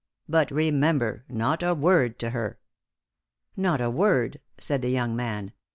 But, remember, not a word to her." "Not a word," said the young man.